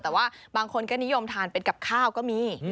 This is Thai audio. แต่ว่าบางคนก็นิยมทานเป็นกับข้าวก็มี